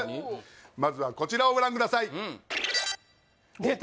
まずはこちらをご覧ください・でた！